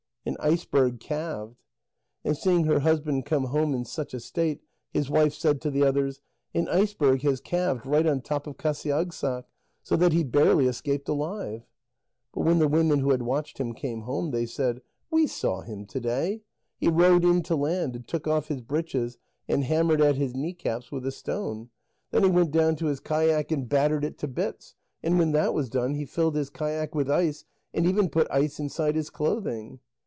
"An iceberg calved." And seeing her husband come home in such a case, his wife said to the others: "An iceberg has calved right on top of Qasiagssaq, so that he barely escaped alive." But when the women who had watched him came home, they said: "We saw him to day; he rowed in to land, and took off his breeches and hammered at his knee caps with a stone; then he went down to his kayak and battered it to bits, and when that was done, he filled his kayak with ice, and even put ice inside his clothing."